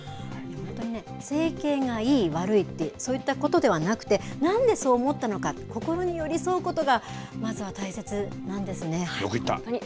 本当にね、整形がいい悪いっていう、そういったことではなくて、なんでそう思ったのか、心に寄り添うことがまずは大切なんでよく言った。